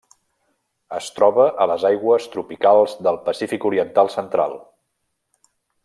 Es troba a les aigües tropicals del Pacífic oriental central.